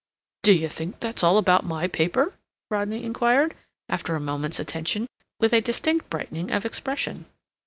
"D'you think that's all about my paper?" Rodney inquired, after a moment's attention, with a distinct brightening of expression.